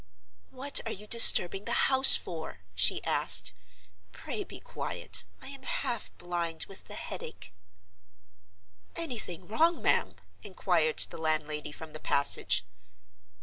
"What are you disturbing the house for?" she asked. "Pray be quiet; I am half blind with the headache." "Anything wrong, ma'am?" inquired the landlady from the passage.